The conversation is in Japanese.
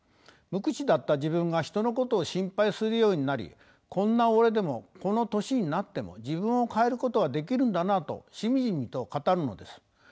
無口だった自分が人のことを心配するようになり「こんな俺でもこの年になっても自分を変えることができるんだな」としみじみと語るのです。